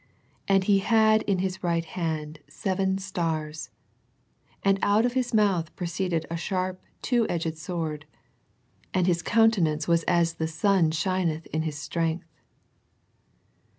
And He had in His right hand seven stars: and out of His mouth proceeded a sharp two edged sword: and His countenance was as the sun shineth in his strength."